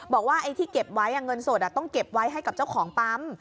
บอกว่าเงินสดต้องเก็บไว้ให้กับเจ้าของปั๊ม